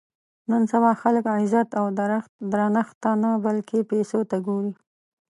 نن سبا خلک عزت او درنښت ته نه بلکې پیسو ته ګوري.